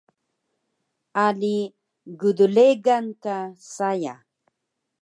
Ali gdregan ka saya